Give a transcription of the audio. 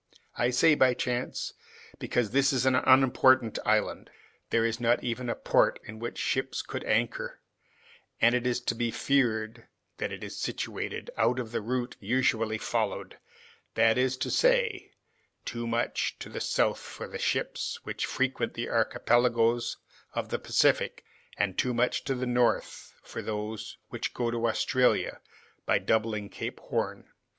I say by chance, because this is an unimportant island; there is not even a port in which ships could anchor, and it is to be feared that it is situated out of the route usually followed, that is to say, too much to the south for the ships which frequent the archipelagoes of the Pacific, and too much to the north for those which go to Australia by doubling Cape Horn.